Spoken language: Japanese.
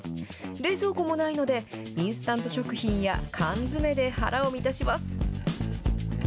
冷蔵庫もないので、インスタント食品や缶詰で腹を満たします。